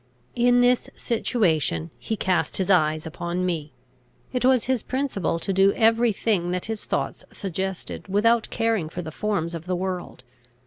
In this situation he cast his eyes upon me. It was his principle to do every thing that his thoughts suggested, without caring for the forms of the world.